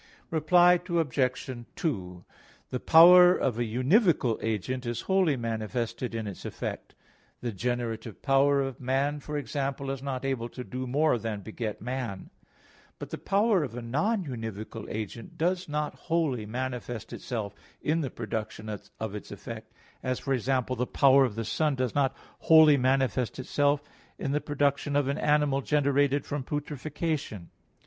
Reply Obj. 2: The power of a univocal agent is wholly manifested in its effect. The generative power of man, for example, is not able to do more than beget man. But the power of a non univocal agent does not wholly manifest itself in the production of its effect: as, for example, the power of the sun does not wholly manifest itself in the production of an animal generated from putrefaction.